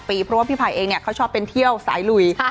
เพราะว่าพี่ไผ่เองเขาชอบเป็นเที่ยวสายลุย